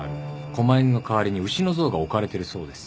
こま犬の代わりに牛の像が置かれてるそうです。